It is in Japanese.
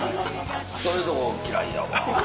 そういうとこ嫌いやわ。